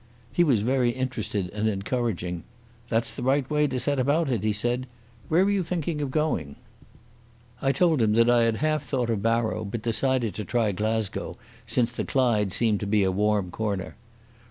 He was very interested and encouraging. "That's the right way to set about it," he said. "Where were you thinking of going?" I told him that I had half thought of Barrow, but decided to try Glasgow, since the Clyde seemed to be a warm corner.